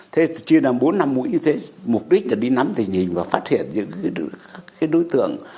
thế chia làm bốn năm mũi như thế mục đích là đi nắm tình hình và phát hiện những đối tượng